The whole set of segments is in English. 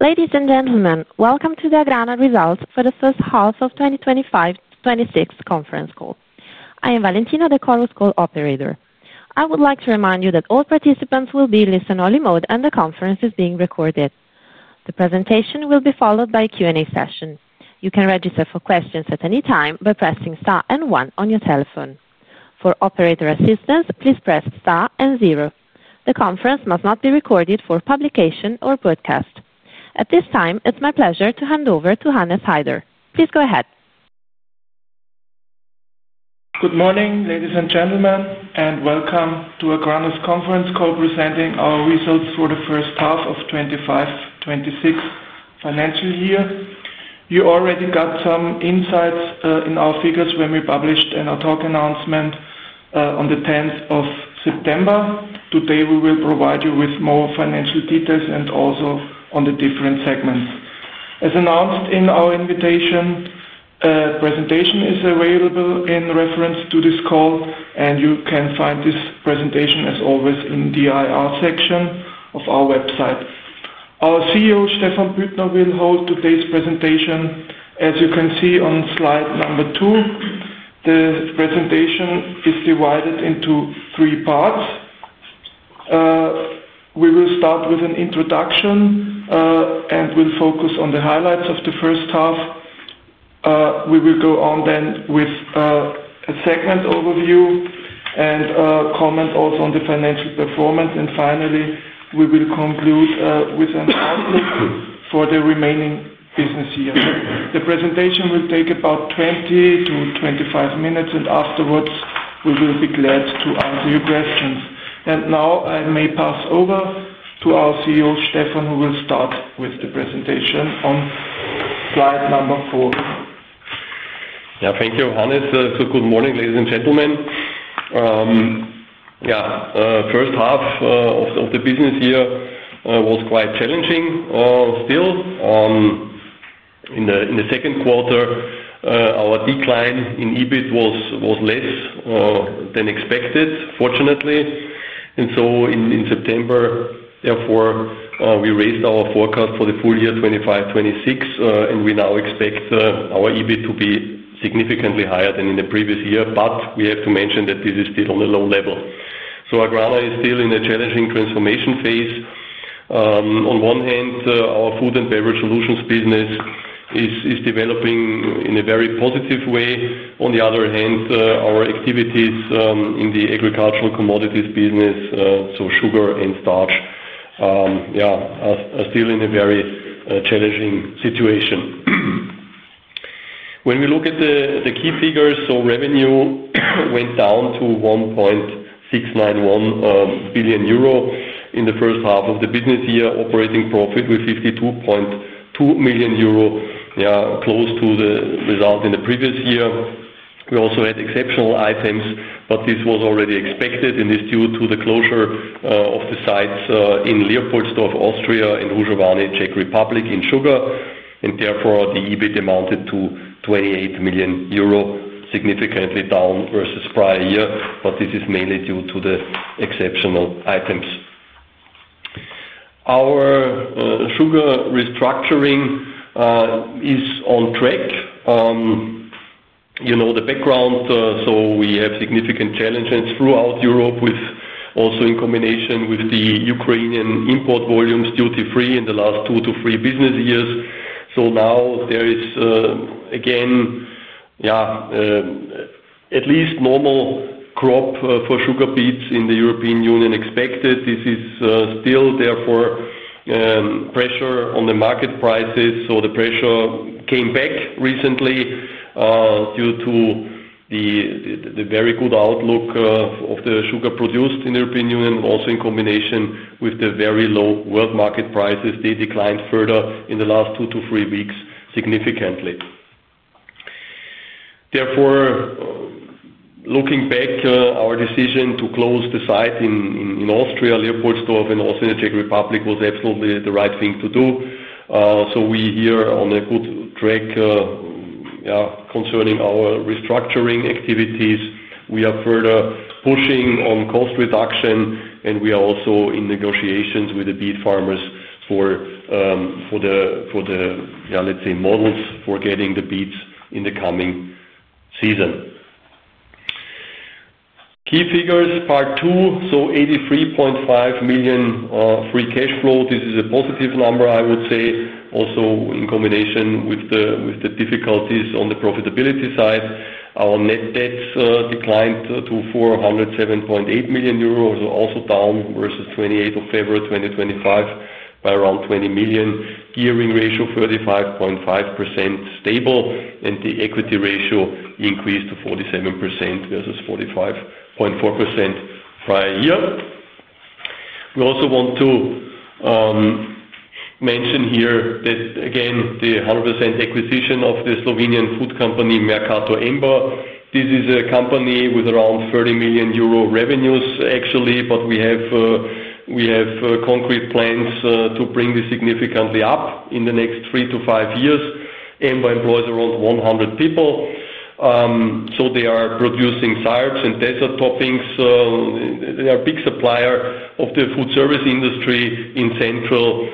Ladies and gentlemen, welcome to the AGRANA results for the first half of 2025-2026 conference call. I am Valentina, the call operator. I would like to remind you that all participants will be in listen-only mode and the conference is being recorded. The presentation will be followed by a Q&A session. You can register for questions at any time by pressing star and one on your telephone. For operator assistance, please press star and zero. The conference must not be recorded for publication or broadcast. At this time, it's my pleasure to hand over to Hannes Haider. Please go ahead. Good morning, ladies and gentlemen, and welcome to AGRANA's conference call presenting our results for the first half of the 2025-2026 financial year. You already got some insights in our figures when we published in our talk announcement on the 10th of September. Today, we will provide you with more financial details and also on the different segments. As announced in our invitation, a presentation is available in reference to this call, and you can find this presentation, as always, in the IR section of our website. Our CEO, Stephan Büttner, will hold today's presentation, as you can see on slide number two. The presentation is divided into three parts. We will start with an introduction and will focus on the highlights of the first half. We will go on then with a segment overview and comment also on the financial performance. Finally, we will conclude with an outlook for the remaining business year. The presentation will take about 20-25 minutes, and afterwards, we will be glad to answer your questions. Now, I may pass over to our CEO, Stephan, who will start with the presentation on slide number four. Thank you, Hannes. Good morning, ladies and gentlemen. The first half of the business year was quite challenging still. In the second quarter, our decline in EBIT was less than expected, fortunately. In September, therefore, we raised our forecast for the full year 2025-2026, and we now expect our EBIT to be significantly higher than in the previous year. We have to mention that this is still on a low level. AGRANA is still in a challenging transformation phase. On one hand, our Food and Beverage Solutions business is developing in a very positive way. On the other hand, our activities in the agricultural commodities business, so sugar and starch, are still in a very challenging situation. When we look at the key figures, revenue went down to 1.691 billion euro in the first half of the business year. Operating profit was 52.2 million euro, close to the result in the previous year. We also had exceptional items, but this was already expected, and it's due to the closure of the sites in Leopoldsdorf, Austria, and Hrušovany, Czech Republic in sugar. Therefore, the EBIT amounted to 28 million euro, significantly down versus prior year, but this is mainly due to the exceptional items. Our sugar restructuring is on track. You know the background, so we have significant challenges throughout Europe, also in combination with the Ukrainian import volumes duty-free in the last two to three business years. Now there is, again, at least normal crop for sugar beets in the European Union expected. This is still, therefore, pressure on the market prices. The pressure came back recently due to the very good outlook of the sugar produced in the European Union, and also in combination with the very low world market prices. They declined further in the last two to three weeks significantly. Looking back, our decision to close the site in Austria, Leopoldsdorf, and also in the Czech Republic was absolutely the right thing to do. We are here on a good track concerning our restructuring activities. We are further pushing on cost reduction, and we are also in negotiations with the beet farmers for the, let's say, models for getting the beets in the coming season. Key figures, part two, 83.5 million free cash flow. This is a positive number, I would say. Also, in combination with the difficulties on the profitability side, our net debt declined to 407.8 million euros, also down versus 28 February 2025 by around 20 million. Gearing ratio 35.5% stable, and the equity ratio increased to 47% versus 45.4% prior year. We also want to mention here that, again, the 100% acquisition of the Slovenian food company, Mercator-Emba. This is a company with around 30 million euro revenues, actually, but we have concrete plans to bring this significantly up in the next three to five years. Emba employs around 100 people. They are producing syrups and dessert toppings. They are a big supplier of the food service industry in Central,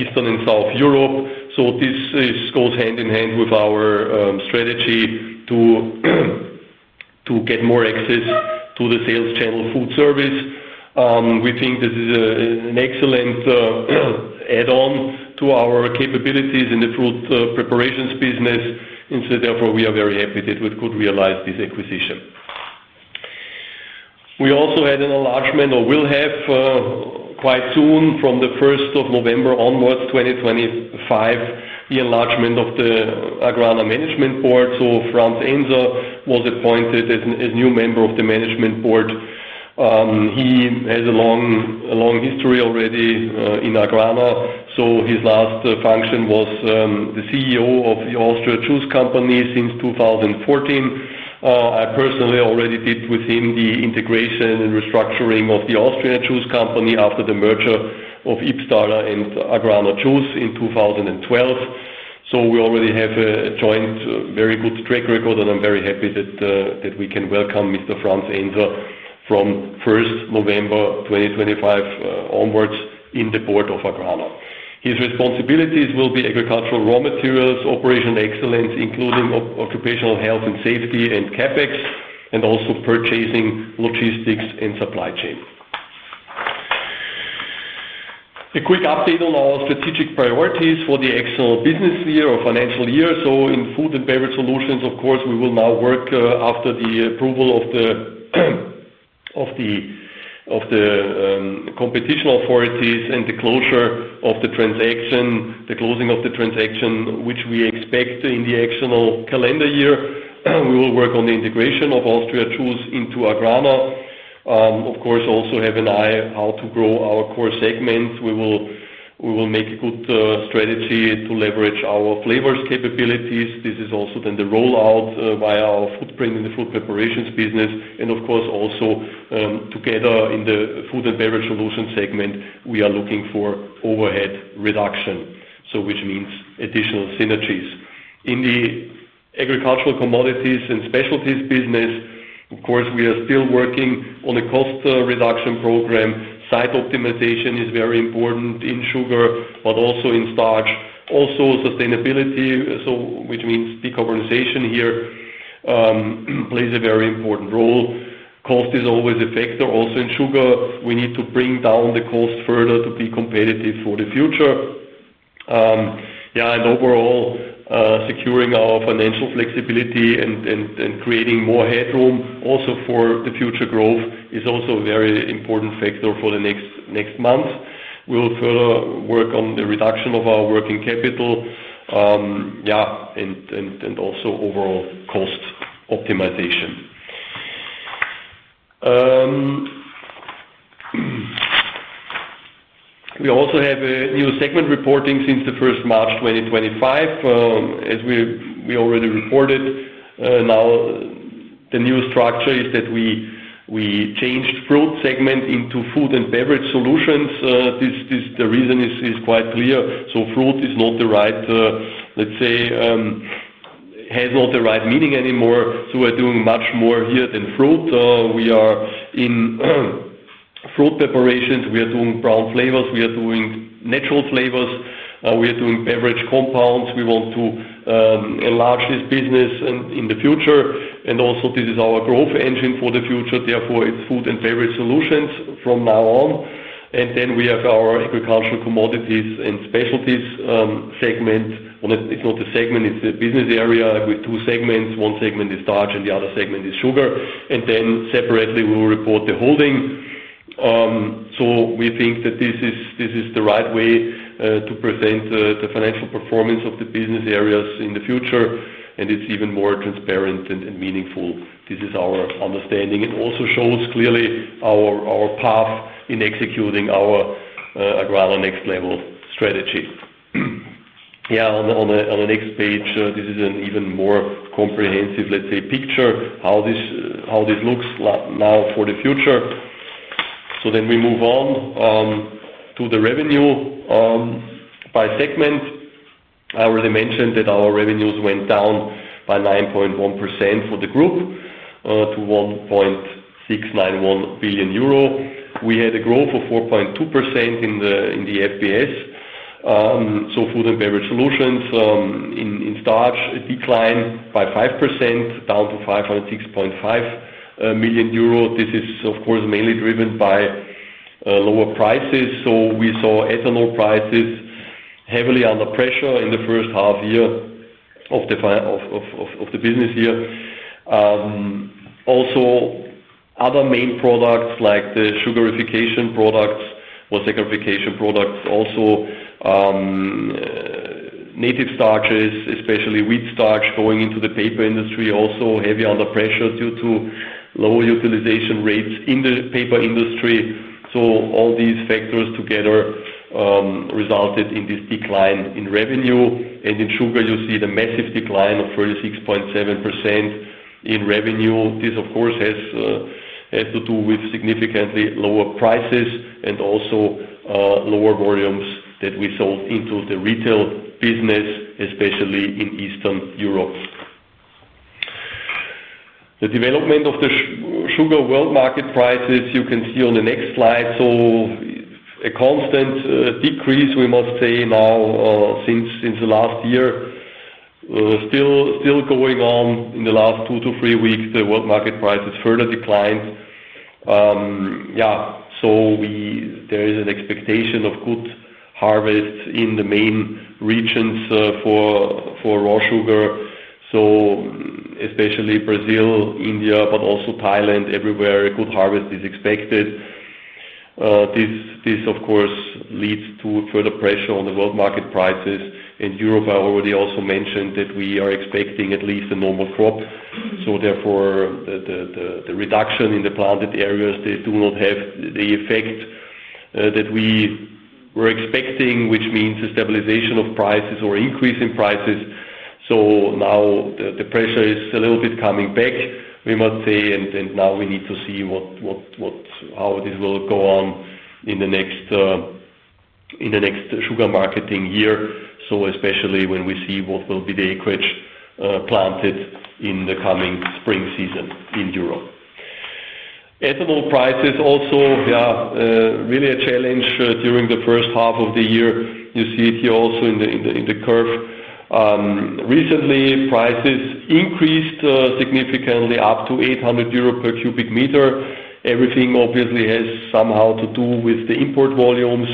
Eastern, and South Europe. This goes hand in hand with our strategy to get more access to the sales channel food service. We think this is an excellent add-on to our capabilities in the fruit preparations business. Therefore, we are very happy that we could realize this acquisition. We also had an enlargement or will have quite soon from the 1st of November 2025 onwards, the enlargement of the AGRANA management Board. Franz Ennser was appointed as a new member of the management Board. He has a long history already in AGRANA. His last function was the CEO of Austria Juice company since 2014. I personally already did with him the integration and restructuring of Austria Juice company after the merger of YBBSTALER and AGRANA Juice in 2012. We already have a joint very good track record, and I'm very happy that we can welcome Mr. Franz Ennser from 1st November 2025 onwards in the Board of AGRANA. His responsibilities will be agricultural raw materials, operation excellence, including occupational health and safety and CapEx, and also purchasing, logistics, and supply chain. A quick update on our strategic priorities for the external business year or financial year. In Food and Beverage Solutions, of course, we will now work after the approval of the competition authorities and the closure of the transaction, the closing of the transaction, which we expect in the external calendar year. We will work on the integration of Austria Juice into AGRANA. Of course, also have an eye on how to grow our core segments. We will make a good strategy to leverage our flavors capabilities. This is also then the rollout via our footprint in the fruit preparations business. Of course, also together in the Food and Beverage Solutions segment, we are looking for overhead reduction, which means additional synergies. In the agricultural commodities and specialties business, we are still working on a cost reduction program. Site optimization is very important in sugar, but also in starch. Also, sustainability, which means decarbonization here, plays a very important role. Cost is always a factor. In sugar, we need to bring down the cost further to be competitive for the future. Overall, securing our financial flexibility and creating more headroom for future growth is also a very important factor for the next months. We'll further work on the reduction of our working capital and overall cost optimization. We also have a new segment reporting since March 1, 2025. As we already reported, the new structure is that we changed the fruit segment into Food and Beverage Solutions. The reason is quite clear. Fruit is not the right, let's say, has not the right meaning anymore. We're doing much more here than fruit. We are in fruit preparations. We are doing brown flavors. We are doing natural flavors. We are doing beverage compounds. We want to enlarge this business in the future. This is our growth engine for the future. Therefore, it's Food and Beverage Solutions from now on. We have our agricultural commodities and specialties segment. It's not a segment. It's a business area with two segments. One segment is starch and the other segment is sugar. Separately, we will report the holding. We think that this is the right way to present the financial performance of the business areas in the future. It's even more transparent and meaningful. This is our understanding. It also shows clearly our path in executing our AGRANA next-level strategy. On the next page, this is an even more comprehensive picture of how this looks now for the future. We move on to the revenue by segment. I already mentioned that our revenues went down by 9.1% for the group to 1.691 billion euro. We had a growth of 4.2% in the FBS. Food and Beverage Solutions in starch declined by 5%, down to 506.5 million euro. This is mainly driven by lower prices. We saw ethanol prices heavily under pressure in the first half year of the business year. Also, other main products like the sugarification products, whole sugarification products, also native starches, especially wheat starch going into the paper industry, are also heavily under pressure due to lower utilization rates in the paper industry. All these factors together resulted in this decline in revenue. In sugar, you see the massive decline of 36.7% in revenue. This, of course, has to do with significantly lower prices and also lower volumes that we sold into the retail business, especially in Eastern Europe. The development of the sugar world market prices, you can see on the next slide. A constant decrease, we must say, now since last year. Still going on in the last two to three weeks, the world market prices further declined. There is an expectation of good harvests in the main regions for raw sugar, especially Brazil, India, but also Thailand. Everywhere a good harvest is expected. This, of course, leads to further pressure on the world market prices. In Europe, I already also mentioned that we are expecting at least a normal crop. Therefore, the reduction in the planted areas does not have the effect that we were expecting, which means a stabilization of prices or increase in prices. Now the pressure is a little bit coming back, we must say, and now we need to see how this will go on in the next sugar marketing year, especially when we see what will be the acreage planted in the coming spring season in Europe. Ethanol prices also are really a challenge during the first half of the year. You see it here also in the curve. Recently, prices increased significantly up to 800 euro per cubic meter. Everything obviously has somehow to do with the import volumes,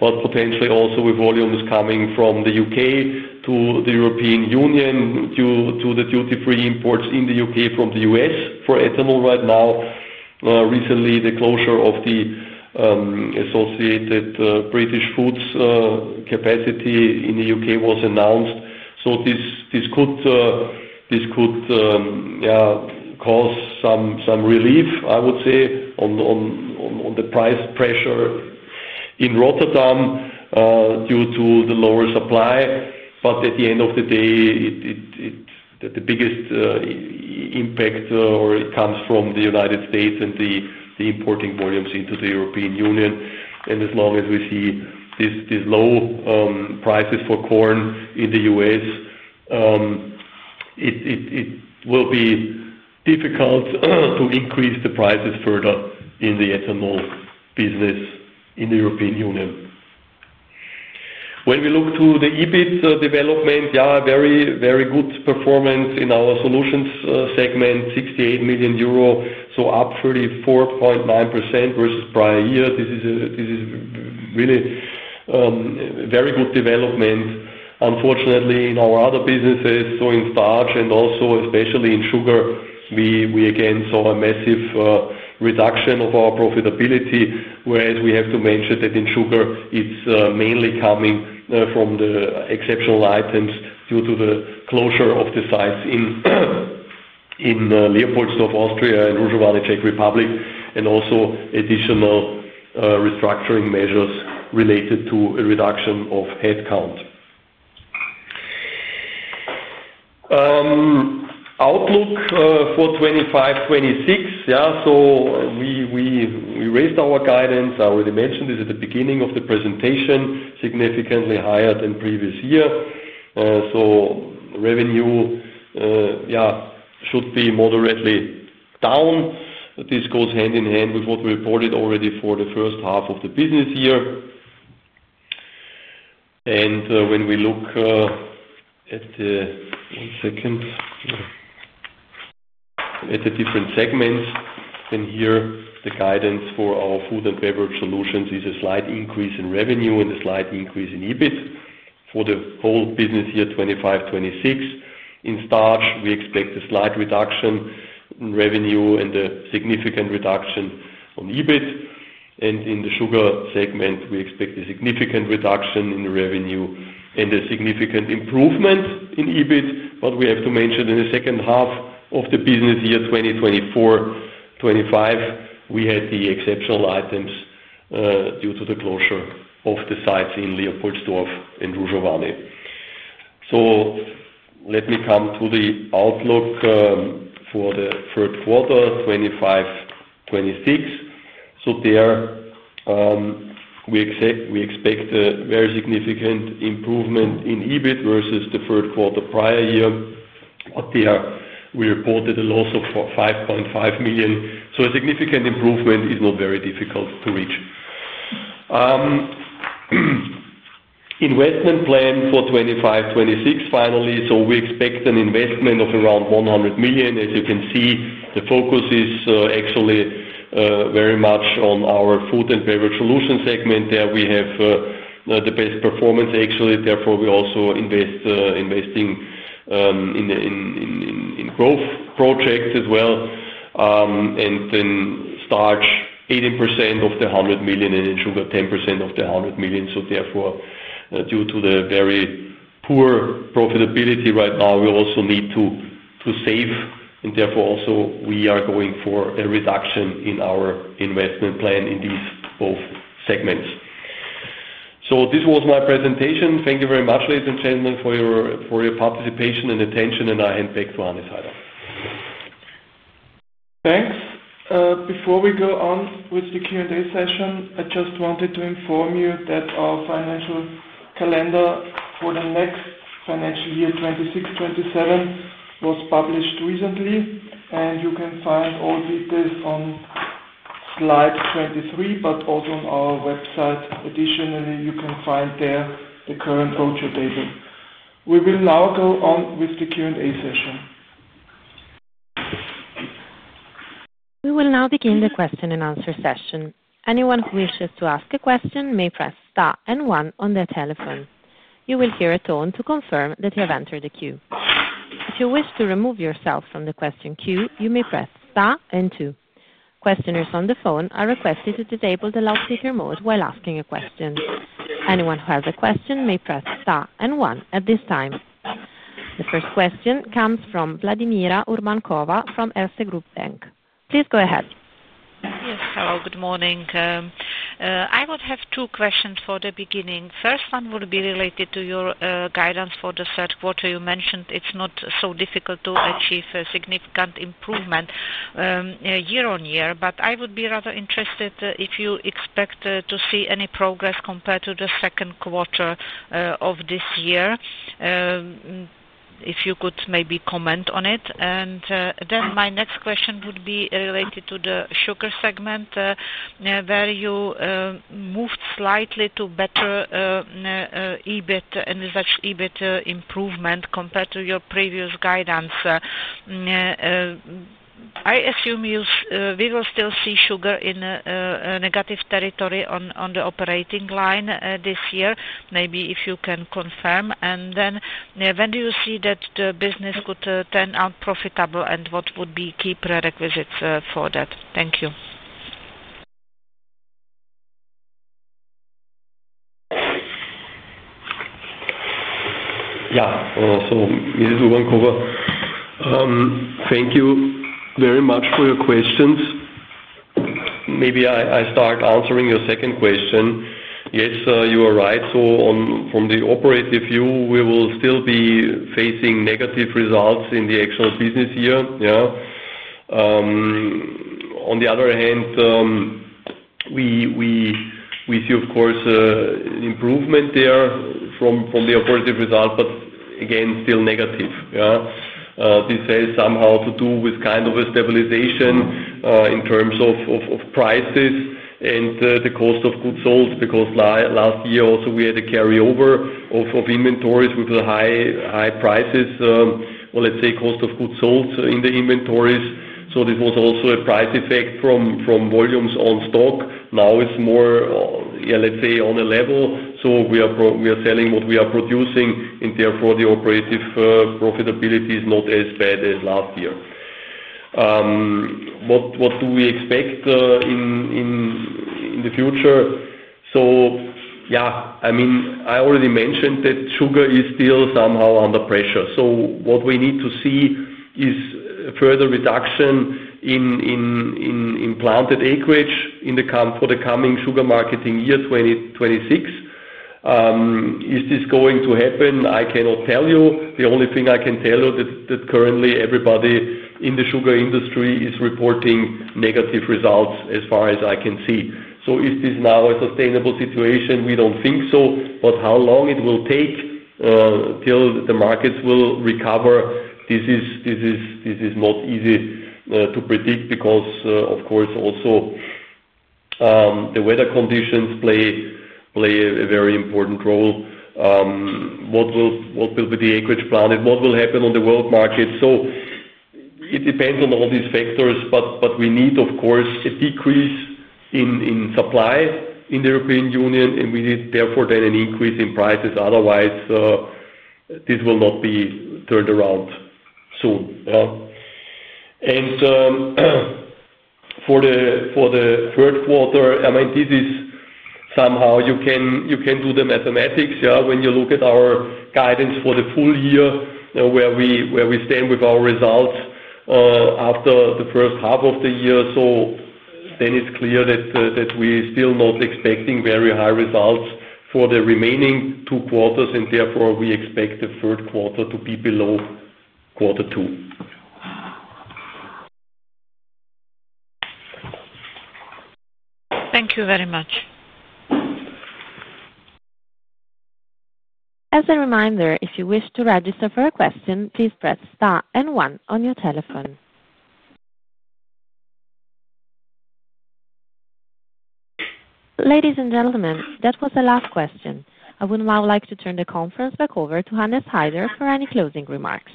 but potentially also with volumes coming from the U.K. to the European Union due to the duty-free imports in the U.K. from the U.S. for ethanol right now. Recently, the closure of the Associated British Foods capacity in the U.K. was announced. This could cause some relief, I would say, on the price pressure in Rotterdam due to the lower supply. At the end of the day, the biggest impact comes from the United States and the importing volumes into the European Union. As long as we see these low prices for corn in the U.S., it will be difficult to increase the prices further in the ethanol business in the European Union. When we look to the EBIT development, yeah, very, very good performance in our solutions segment, 68 million euro, so up 34.9% versus prior year. This is really a very good development. Unfortunately, in our other businesses, so in starch and also especially in sugar, we again saw a massive reduction of our profitability, whereas we have to mention that in sugar, it's mainly coming from the exceptional items due to the closure of the sites in Leopoldsdorf, Austria, and Hrušovany, Czech Republic, and also additional restructuring measures related to a reduction of headcount. Outlook for 2025-2026, yeah, we raised our guidance. I already mentioned this at the beginning of the presentation, significantly higher than previous year. Revenue should be moderately down. This goes hand in hand with what we reported already for the first half of the business year. When we look at the, one second, at the different segments, then here the guidance for our Food and Beverage Solutions is a slight increase in revenue and a slight increase in EBIT for the whole business year 2025-2026. In starch, we expect a slight reduction in revenue and a significant reduction in EBIT. In the sugar segment, we expect a significant reduction in revenue and a significant improvement in EBIT. We have to mention in the second half of the business year 2024-2025, we had the exceptional items due to the closure of the sites in Leopoldsdorf and Hrušovany. Let me come to the outlook for the third quarter 2025-2026. There, we expect a very significant improvement in EBIT versus the third quarter prior year. There, we reported a loss of 5.5 million. A significant improvement is not very difficult to reach. Investment plan for 2025-2026, finally, we expect an investment of around 100 million. As you can see, the focus is actually very much on our Food and Beverage Solutions segment. There, we have the best performance, actually. Therefore, we also invest in growth projects as well. In starch, 18% of the 100 million, and in sugar, 10% of the 100 million. Therefore, due to the very poor profitability right now, we also need to save. Therefore, also, we are going for a reduction in our investment plan in these both segments. This was my presentation. Thank you very much, ladies and gentlemen, for your participation and attention. I hand back to Hannes Haider. Thanks. Before we go on with the Q&A session, I just wanted to inform you that our financial calendar for the next financial year 2026-2027 was published recently. You can find all details on slide 23, but also on our website. Additionally, you can find there the current brochure table. We will now go on with the Q&A session. We will now begin the question and answer session. Anyone who wishes to ask a question may press star and one on their telephone. You will hear a tone to confirm that you have entered the queue. If you wish to remove yourself from the question queue, you may press star and two. Questioners on the phone are requested to disable the loudspeaker mode while asking a question. Anyone who has a question may press star and one at this time. The first question comes from Vladimira Urbankova from Erste Group Bank. Please go ahead. Yes. Hello. Good morning. I would have two questions for the beginning. First one would be related to your guidance for the third quarter. You mentioned it's not so difficult to achieve a significant improvement year on year. I would be rather interested if you expect to see any progress compared to the second quarter of this year, if you could maybe comment on it. My next question would be related to the sugar segment, where you moved slightly to better EBIT and such EBIT improvement compared to your previous guidance. I assume we will still see sugar in negative territory on the operating line this year. Maybe if you can confirm. When do you see that the business could turn out profitable and what would be key prerequisites for that? Thank you. Yeah. Mrs. Urbankova, thank you very much for your questions. Maybe I start answering your second question. Yes, you are right. From the operative view, we will still be facing negative results in the actual business year. On the other hand, we see, of course, an improvement there from the operative result, but again, still negative. This has somehow to do with kind of a stabilization in terms of prices and the cost of goods sold because last year also we had a carryover of inventories with the high prices, or let's say cost of goods sold in the inventories. This was also a price effect from volumes on stock. Now it's more, let's say, on a level. We are selling what we are producing, and therefore, the operative profitability is not as bad as last year. What do we expect in the future? I already mentioned that sugar is still somehow under pressure. What we need to see is a further reduction in planted acreage for the coming sugar marketing year 2026. Is this going to happen? I cannot tell you. The only thing I can tell you is that currently, everybody in the sugar industry is reporting negative results as far as I can see. Is this now a sustainable situation? We don't think so. How long it will take till the markets will recover, this is not easy to predict because, of course, also the weather conditions play a very important role. What will be the acreage planted? What will happen on the world market? It depends on all these factors, but we need, of course, a decrease in supply in the European Union, and we need, therefore, then an increase in prices. Otherwise, this will not be turned around soon. For the third quarter, this is somehow you can do the mathematics when you look at our guidance for the full year where we stand with our results after the first half of the year. Then it's clear that we are still not expecting very high results for the remaining two quarters, and therefore, we expect the third quarter to be below quarter two. Thank you very much. As a reminder, if you wish to register for a question, please press star and one on your telephone. Ladies and gentlemen, that was the last question. I would now like to turn the conference back over to Hannes Haider for any closing remarks.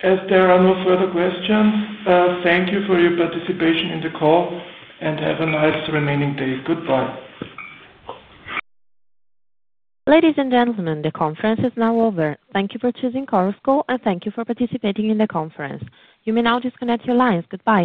Thanks. If there are no further questions, thank you for your participation in the call and have a nice remaining day. Goodbye. Ladies and gentlemen, the conference is now over. Thank you for choosing [CORUSCO], and thank you for participating in the conference. You may now disconnect your lines. Goodbye.